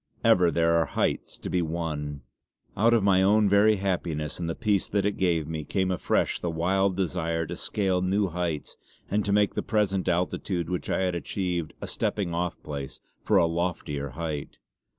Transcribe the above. Ever there are heights to be won. Out of my own very happiness and the peace that it gave me, came afresh the wild desire to scale new heights and to make the present altitude which I had achieved a stepping off place for a loftier height.